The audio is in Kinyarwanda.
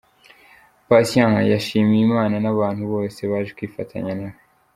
Patient yashimiye Imana n'abantu bose baje kwifatanya nawe.